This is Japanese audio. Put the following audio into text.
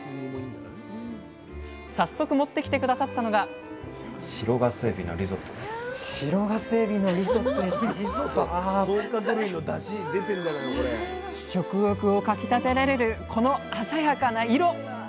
早速持ってきて下さったのが食欲をかきたてられるこの鮮やかな色！